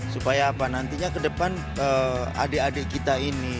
supaya apa nantinya ke depan adik adik kita ini